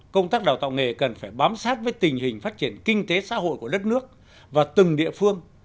công tác đào tạo nghề cần phải bám sát với tình hình phát triển kinh tế xã hội của đất nước và từng địa phương